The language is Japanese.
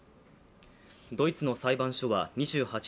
ドイツの裁判所は２８日